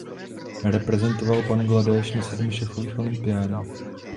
Reprezentoval Bangladéš na sedmi šachových olympiádách.